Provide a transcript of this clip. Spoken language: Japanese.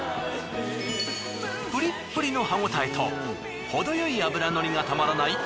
プリップリの歯応えと程よい脂のりがたまらない